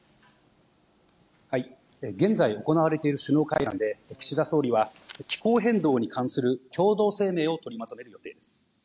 現在、行われている首脳会談で、岸田総理は、気候変動に関する共同声明を取りまとめる予定です。